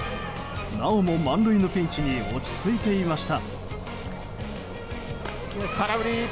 なおも満塁のピンチに落ち着いていました。